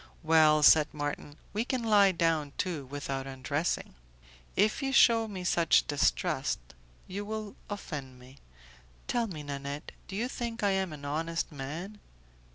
"Well," said Marton, "we can lie down, too, without undressing." "If you shew me such distrust, you will offend me. Tell me, Nanette, do you think I am an honest man?"